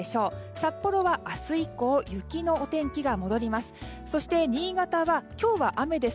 札幌は明日以降雪のお天気が戻ります。